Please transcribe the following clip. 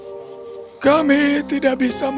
masih tapi dia tidak ataust semangat